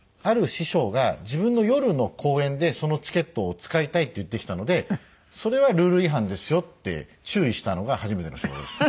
師匠が自分の夜の公演でそのチケットを使いたいって言ってきたのでそれはルール違反ですよって注意したのが初めての仕事ですね。